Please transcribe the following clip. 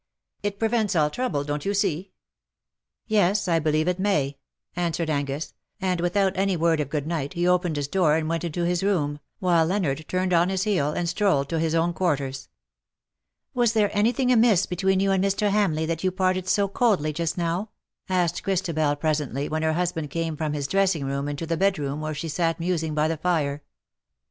It prevents all trouble, don't you see." " Yes, I believe it may," answered Angus, and without any word of good night he opened his door and went into his room, while Leonard turned on his heel, and strolled to his own quarters. "Was there anything amiss between you and Mr. Hamleigh, that you parted so coldly just now ?" asked Christabel, presently, when her husband came from his dressing room into the bed room where she sat musing by the fire.